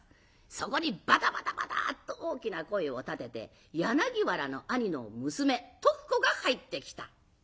そこにバタバタバターッと大きな声を立てて柳原の兄の娘徳子が入ってきた。